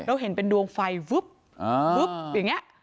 แล้วเห็นเป็นดวงไฟฟึ๊บอย่างนี้